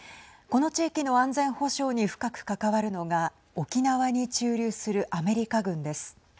この地域の安全保障に深く関わるのが沖縄に駐留するアメリカ軍です。